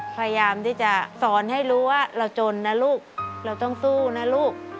พยายามที่จะสอนให้รู้ว่าเราจนนะลูกเราต้องสู้นะลูก